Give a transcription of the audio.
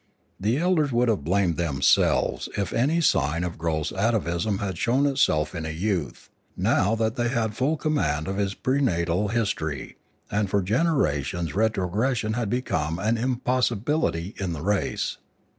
The elders would have blamed themselves if any sign of gross atavism Ethics 593 had shown itself in a youth, now that they had full command of his prenatal history, and for generations retrogression had become an impossibility in the race.